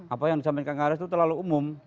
apa yang dicampurkan ke arah itu terlalu umum